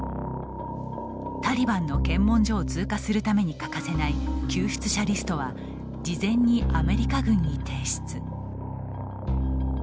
タリバンの検問所を通過するために欠かせない救出者リストは事前にアメリカ軍に提出。